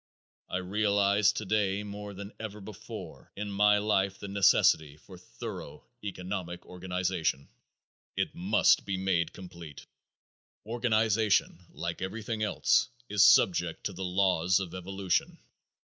I realize today more than ever before in my life the necessity for thorough economic organization. It must be made complete. Organization, like everything else, is subject to the laws of evolution.